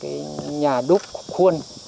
cái nhà đúc khuôn